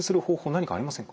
何かありませんか？